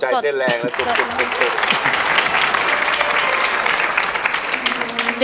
หัวใจเต้นแรงและสด